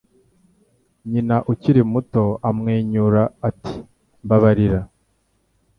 Nyina ukiri muto amwenyura ati: "Mbabarira."